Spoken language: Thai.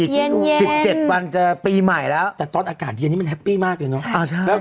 ๑๗วันจะปีใหม่แล้วแต่ตอนอากาศเย็นนี้มันแฮปปี้มากเลยเนาะ